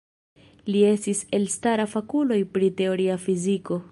Li estis elstara fakulo pri teoria fiziko.